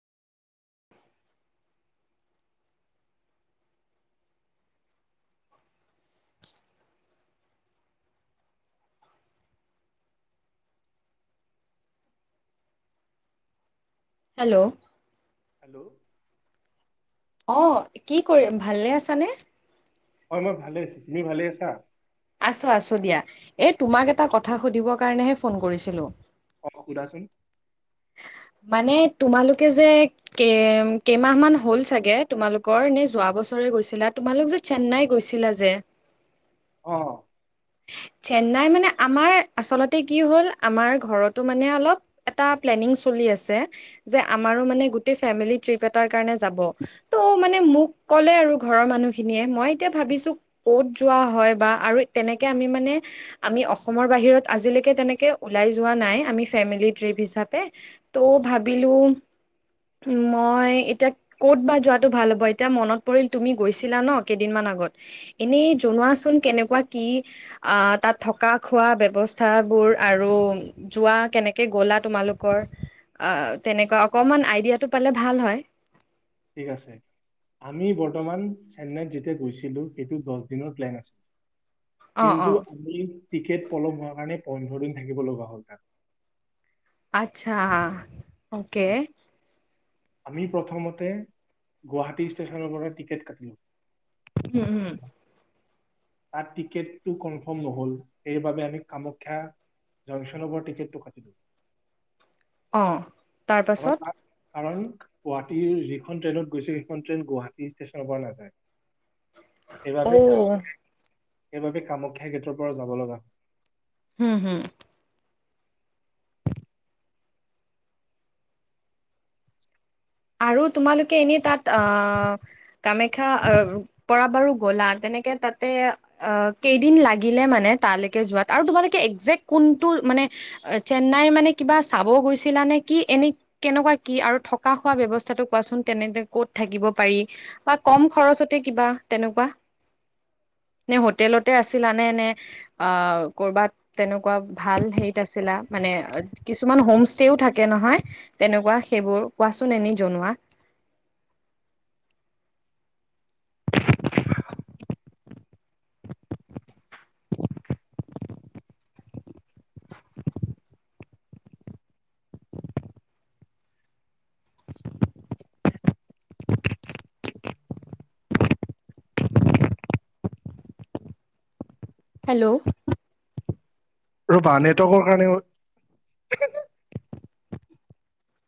[inaudible] Hello. Hello অ', কি কৰি, ভালে আছানে? হয় মই ভালে, তুমি ভালে আছা? আছো, আছো দিয়া এই তোমাক এটা কথা সুধিবৰ কাৰণেহে ফোন কৰিছিলো। অ', খুধাচোন। মানে তোমালোকে যে কে কেইমাহ মান হ'ল চাগে তোমালোকৰ নে যোৱা বছৰে গৈছিলা তোমালোক যে চেন্নাই গৈছিলা যে। অ'। চেন্নাই মানে আমাৰ আচলতে কি হ'ল আমাৰ ঘৰতো মানে অলপ এটা প্লেনিং চলি আছে যে আমাৰো মানে গোটেই ফেমিলি ট্ৰিপ এটাৰ কাৰণে যাব ত' মানে মোক ক'লে আৰু ঘৰৰ মানুহখিনিয়ে মই এতিয়া ভাবিছো ক'ত যোৱা হয় বা আৰু তেনেকে আমি মানে আমি অসমৰ বাহিৰত আজিলৈকে তেনেকে ওলাই যোৱা নাই আমি ফেমিলি ট্ৰিপ হিচাপ ত' ভাবিলো মই এতিয়া কত বা যোৱাটো ভাল হ'ব এতিয়া মনত পৰিল তুমি গৈছিলা ন কেইদিনমান আগত এনেই জনোৱাচোন কেনেকুৱা কি আহ তাত থকা খোৱা ব্যৱস্থা বোৰ আৰু যোৱা কেনেকে গলা তোমালোক কৰা অ তেনেকুৱা অকমান আইডিয়াটো পালে ভাল হয় ঠিক আছে আমি বৰ্তমান চেন্নাইত যেতিয়া গৈছিলো সেইটো দহ দিনৰ প্লেন আছিল অ অ কিন্তু আমি টিকেট পলম হোৱাৰ কাৰণে পোন্ধৰ দিন থাকিব লগা হ'ল তাত আচ্ছা অকে উম। আমি প্ৰথমতে গুৱাহাটী ষ্টেচনৰ পৰা টিকেট কাটিলো উম উম তাত টিকেটটো কনফাৰ্ম নহ'ল সেইবাবে আমি কামাখ্যা জংচনৰ পৰা টিকেটটো কাটিলো অ কাৰণ তাৰপাছত তাত কাৰণ গুৱাহাটীৰ যিখন ট্ৰেইনত গৈছে সেইখন ট্ৰেইন গুৱাহাটী ষ্টেচনৰ পৰা নাযায় সেইবাবে অ সেইবাবে কামাখ্যা গেটৰ পৰা যাব লগা হু হু আৰু তোমালোকে এনে তাত আহ কামাখ্যা পৰা বাৰু গ'লা তেনেকে তাতে অ কেইদিন লাগিলে মানে তালৈকে যোৱাত আৰু তোমালোকে একজেক্ কোনটো মানে চেন্নাইৰ মানে কিবা চাব গৈছিলা নে কি এনে কেনেকুৱা কি আৰু থকা খোৱা ব্যৱস্থাটো কোৱাচোন তেনে ক'ত থাকিব পাৰি বা কম খৰচতে কিবা তেনেকুৱা নে হোটেলতে আছিলা নে নে অ কৰ'বাত তেনেকুৱা ভাল হেৰিত আছিলা মানে কিছুমান হোম ষ্টেও থাকে নহয় তেনেকুৱা সেইবোৰ কোৱাচোন এনেই জনোৱা হেল্ল' ৰবা নেটৱৰ্কৰ কাৰণেও